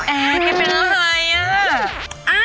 แอ๊ะแกเป็นอะไร